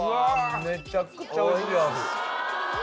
めちゃくちゃおいしい鮑。